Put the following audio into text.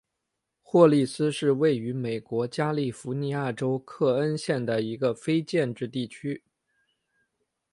霍利斯是位于美国加利福尼亚州克恩县的一个非建制地区。